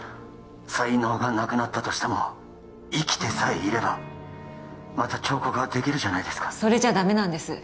才能がなくなったとしても生きてさえいればまた彫刻はできるじゃないですかそれじゃダメなんです